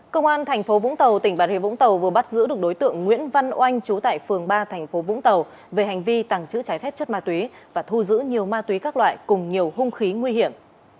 công an tp vũng tàu tỉnh bản huyện vũng tàu vừa bắt giữ được đối tượng nguyễn văn oanh trú tại phường ba tp vũng tàu về hành vi tàng trữ trái phép chất ma túy và thu giữ nhiều ma túy các loại cùng nhiều hung khí nguy hiểm